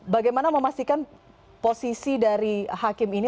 bagaimana memastikan posisi dari hakim ini